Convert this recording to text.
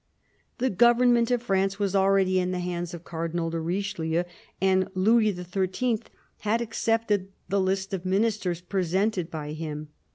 The government of France was already in the hands of Cardinal de Riche lieu, and Louis XIIL had accepted the list of Ministers presented by him.